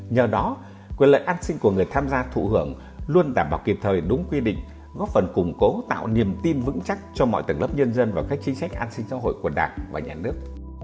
nhờ đó quyền lợi an sinh của người tham gia thụ hưởng luôn đảm bảo kịp thời đúng quy định góp phần củng cố tạo niềm tin vững chắc cho mọi tầng lớp nhân dân và các chính sách an sinh xã hội của đảng và nhà nước